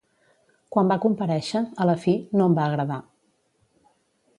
Quan va comparèixer, a la fi, no em va agradar.